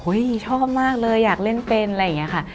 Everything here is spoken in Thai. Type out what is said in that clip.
ชอบมากเลยอยากเล่นเป็นอะไรอย่างนี้ค่ะ